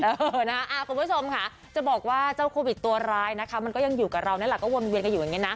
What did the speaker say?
คุณผู้ชมจะบอกว่าเจ้าโควิดตัวร้ายมันก็ยังอยู่กับเรานี่แหละ